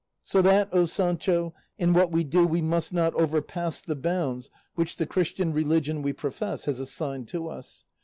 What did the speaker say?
So that, O Sancho, in what we do we must not overpass the bounds which the Christian religion we profess has assigned to us.